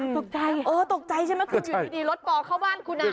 ตกใจเหรอตกใจใช่ไหมคุณอยู่ดีรถป่อเข้าบ้านคุณ